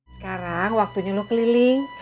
sekarang waktunya lu keliling